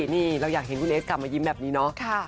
นี่เราอยากเห็นคุณเอสกลับมายิ้มแบบนี้เนาะ